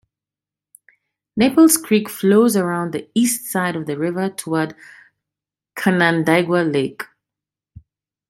Naples Creek flows around the east side of the river toward Canandaigua Lake.